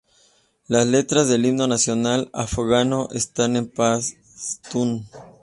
Las letras del himno nacional afgano están en pastún.